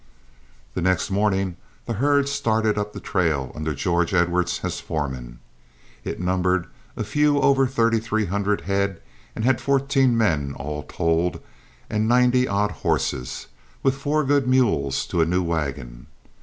The next morning the herd started up the trail under George Edwards as foreman. It numbered a few over thirty three hundred head and had fourteen men, all told, and ninety odd horses, with four good mules to a new wagon.